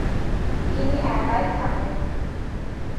তিনি একাই থাকেন।